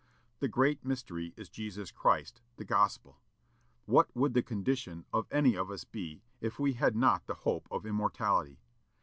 "The great mystery is Jesus Christ the Gospel. What would the condition of any of us be if we had not the hope of immortality?...